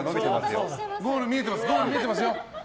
ゴール見えてますよ。